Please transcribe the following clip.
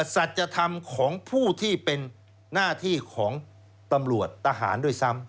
สัจธรรมของผู้ที่เป็นหน้าที่ของตำรวจทหารด้วยซ้ำ